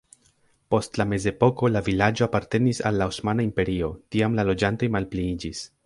Post la mezepoko la vilaĝo apartenis al la Osmana Imperio, tiam la loĝantoj malpliiĝis.